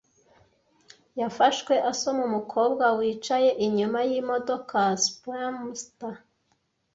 Yafashwe asoma umukobwa wicaye inyuma yimodoka. Spamster